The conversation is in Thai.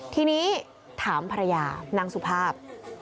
ทีนี้ถามภรรยานางสุภาพ